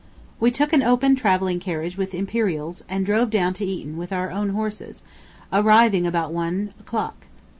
We took an open travelling carriage with imperials, and drove down to Eton with our own horses, arriving about one o'clock.